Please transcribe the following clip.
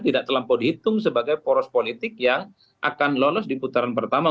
tidak terlampau dihitung sebagai poros politik yang akan lolos di putaran pertama